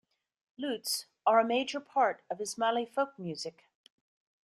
Lutes are a major part of Ismaili folk music.